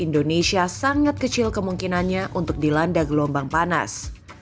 indonesia sangat kecil kemungkinannya untuk dilanda gelombang panas